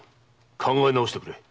考え直してくれ。